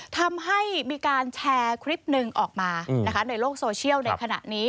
ทำให้มีการแชร์คลิปหนึ่งออกมาในโลกโซเชียลในขณะนี้